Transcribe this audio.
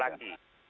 jadi lebar lagi